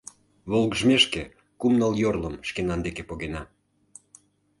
Волгыжмешке, кум-ныл йорлым шкенан деке погена.